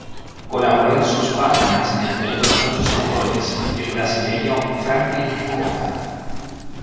Colaboró en sus páginas, entre otros muchos autores, el brasileño Franklin Távora.